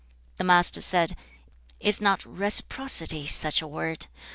The Master said, 'Is not RECIPROCITY such a word?